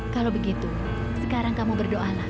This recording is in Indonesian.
kalau begitu sekarang kamu berdoalah